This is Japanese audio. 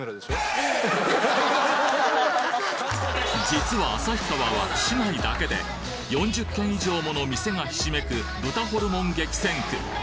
実は旭川は市内だけで４０軒以上もの店がひしめく豚ホルモン激戦区